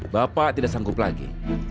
bapak tidak sanggup lagi